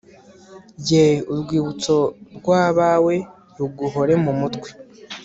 yeee urwibutso rw'abawe ruguhore mumutwe